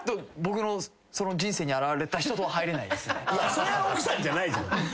それは奥さんじゃないじゃん。